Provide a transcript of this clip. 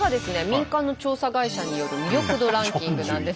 民間の調査会社による魅力度ランキングなんですけれど。